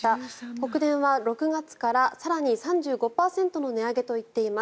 北電は６月から更に３５％の値上げといっています。